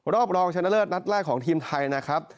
รองชนะเลิศนัดแรกของทีมไทยนะครับ